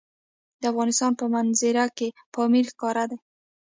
د افغانستان په منظره کې پامیر ښکاره ده.